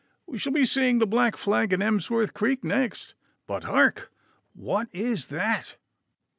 'We shall be seeing the black flag in Emsworth Creek next. But hark! What is that?